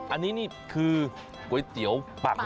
อันนี้นี่คือก๋วยเตี๋ยวปัง